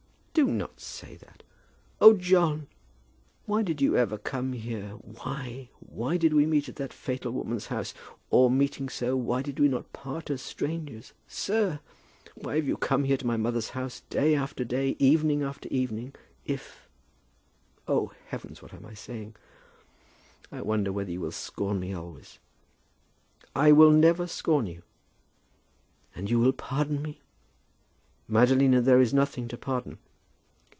"Do not say that." "Oh, John, why did you ever come here? Why? Why did we meet at that fatal woman's house? Or, meeting so, why did we not part as strangers? Sir, why have you come here to my mother's house day after day, evening after evening, if . Oh, heavens, what am I saying? I wonder whether you will scorn me always?" "I will never scorn you." "And you will pardon me?" "Madalina, there is nothing to pardon."